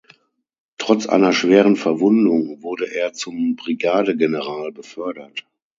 Trotz einer schweren Verwundung wurde er zum Brigadegeneral befördert.